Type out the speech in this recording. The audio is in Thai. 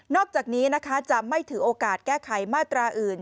อกจากนี้นะคะจะไม่ถือโอกาสแก้ไขมาตราอื่น